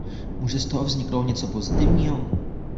Může z toho vzniknout něco pozitivního?